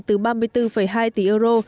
từ ba mươi bốn hai tỷ euro